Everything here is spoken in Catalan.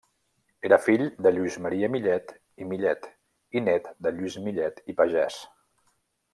Era fill de Lluís Maria Millet i Millet i nét de Lluís Millet i Pagès.